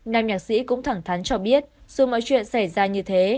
nam nhạc sĩ cũng thẳng thắn cho biết dù mọi chuyện xảy ra như thế